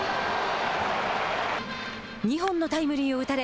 ２本のタイムリーを打たれ